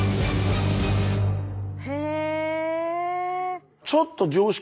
へえ。